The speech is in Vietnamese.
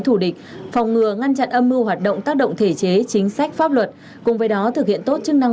thù địch phòng ngừa ngăn chặn âm mưu hoạt động tác động thể chế chính sách pháp luật cùng với đó thực hiện tốt chức năng